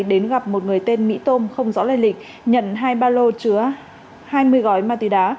đến gặp một người tên mỹ tôm không rõ lây lịch nhận hai ba lô chứa hai mươi gói ma túy đá